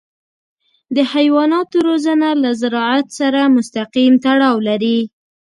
د حیواناتو روزنه له زراعت سره مستقیم تړاو لري.